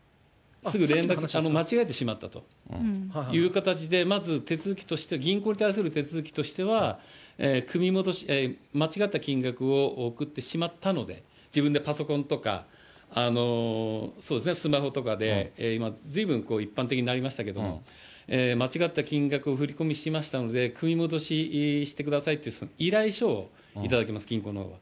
すぐ連絡をして、間違えてしまったという形でまず手続きとして、銀行に対する手続きとしては、間違った金額を送ってしまったので、自分でパソコンとか、そうですね、スマホとかで、今ずいぶん一般的になりましたけども、間違った金額を振り込みしましたので、組み戻ししてくださいという依頼書を頂きます、銀行のほうで。